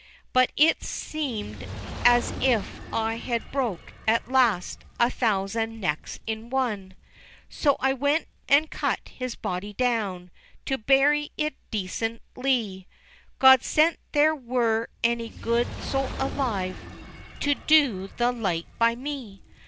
But it seem'd as if I had broke, at last, A thousand necks in one! XXXI. So I went and cut his body down To bury it decentlie; God send there were any good soul alive To do the like by me!